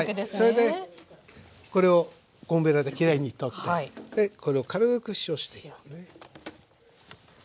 それでこれをゴムべらできれいにとってでこれを軽く塩していきますね。